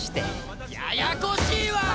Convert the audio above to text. ややこしいわ！